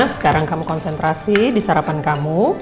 sekarang kamu konsentrasi di sarapan kamu